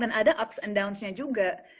dan ada ups and downs nya juga